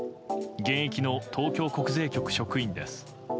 現役の東京国税局職員です。